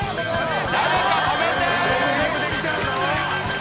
誰か止めて！